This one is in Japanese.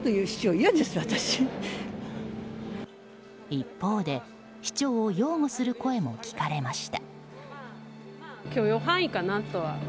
一方で、市長を擁護する声も聞かれました。